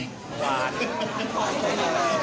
หวาน